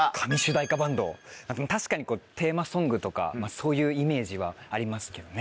確かにテーマソングとかそういうイメージはありますけどね。